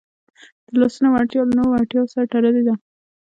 د لاسونو وړتیا له نورو وړتیاوو سره تړلې ده.